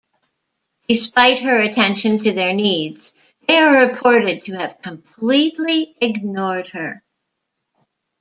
Despite her attention to their needs they are reported to have completely ignored her.